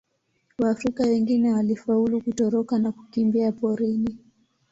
Waafrika wengine walifaulu kutoroka na kukimbia porini.